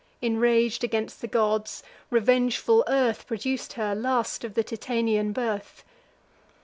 Inrag'd against the gods, revengeful Earth Produc'd her last of the Titanian birth.